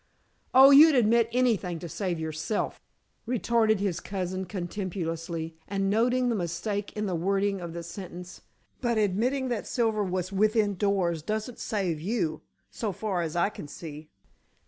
"Oh, you'd admit anything to save yourself," retorted his cousin contemptuously, and noting the mistake in the wording of the sentence. "But admitting that Silver was within doors doesn't save you, so far as I can see."